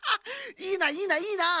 いいないいないいなあ。